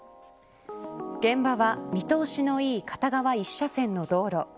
現場は見通しのいい片側１車線の道路。